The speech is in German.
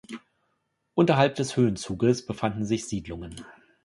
Unterhalb des Höhenzuges befanden sich Siedlungen.